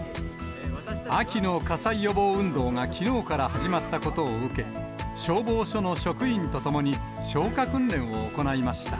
秋の火災予防運動がきのうから始まったことを受け、消防署の職員と共に消火訓練を行いました。